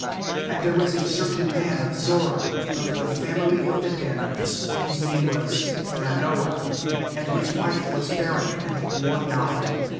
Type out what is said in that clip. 2And there was a certain man of Zorah, of the family of the Danites, whose name was Manoah; and his wife was barren, and bore not.